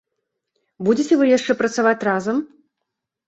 Будзеце вы яшчэ працаваць разам?